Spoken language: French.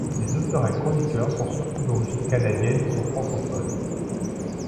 Les auteurs et chroniqueurs sont surtout d'origine canadienne et sont francophones.